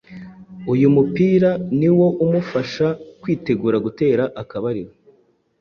Uyu mupira niwo umufasha kwitegura gutera akabariro